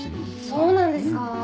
そうなんですか？